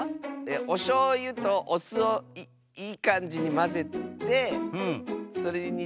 おしょうゆとおすをいいかんじにまぜてそれにつけてたべます！